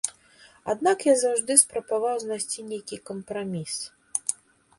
Аднак я заўжды спрабаваў знайсці нейкі кампраміс.